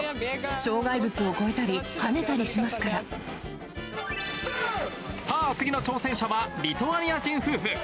障害物を越えたり、跳ねたりしまさあ、次の挑戦者はリトアニア人夫婦。